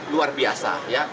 luar biasa ya